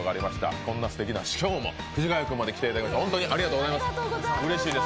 こんなすてきな師匠も、藤ヶ谷君まで来ていただいて、ありがとうございます。